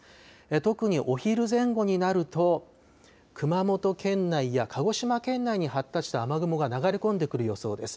特にお昼前後になると熊本県内や鹿児島県内に発達した雨雲が流れ込んでくる予想です。